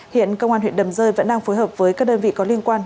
hiện công an huyện đầm rơi vẫn đang phối hợp với các đơn vị có liên quan